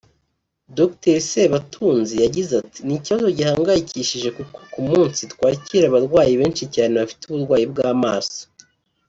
Dr Sebatunzi yagize ati “Ni ikibazo gihangayikishije kuko ku munsi twakira abarwayi benshi cyane bafite uburwayi bw’amaso